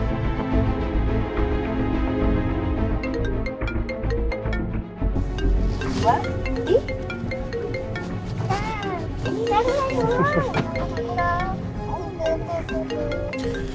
tiga dua satu